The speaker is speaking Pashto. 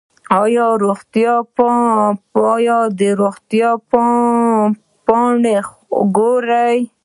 ایا د روغتیا پاڼې ګورئ؟